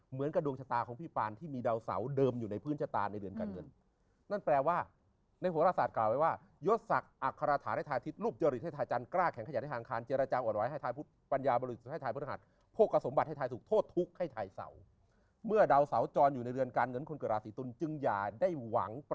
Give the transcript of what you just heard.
เหมือนกับดวงชะตาของพี่ปานที่มีดาวเสาเดิมอยู่ในพื้นชะตาในเรือนการเงิน